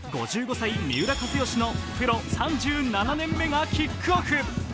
５５歳・三浦知良のプロ３７年目がキックオフ！